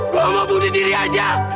gue sama bunuh diri aja